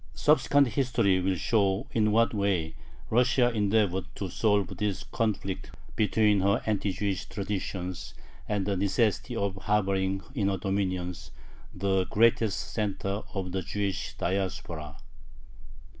Subsequent history will show in what way Russia endeavored to solve this conflict between her anti Jewish traditions and the necessity of harboring in her dominions the greatest center of the Jewish Diaspora.